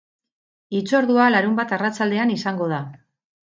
Hitzordua larunbat arratsaldean izango da.